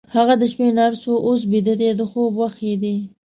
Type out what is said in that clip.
هغه د شپې نرس وه، اوس بیده ده، د خوب وخت یې دی.